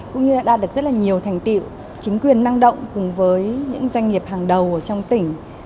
cũng như đã đạt được rất là nhiều thành tiệu chính quyền năng động cùng với những doanh nghiệp hàng đầu trong tỉnh